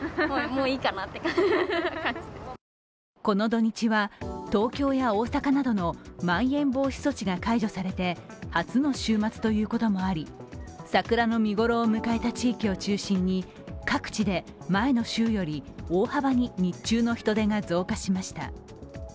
この土日は、東京や大阪などのまん延防止措置が解除されて初の週末ということもあり桜の見頃を迎えた地域を中心に各地で前の週より大幅に日中の人出が増加しました。